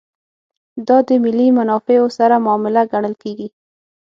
دا د ملي منافعو سره معامله ګڼل کېږي.